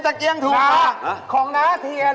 ตะเกียงถูกกว่าของน้าเทียน